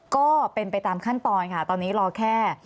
ก็เป็นไปตามขั้นตอนค่ะ